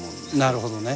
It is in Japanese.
なるほどね。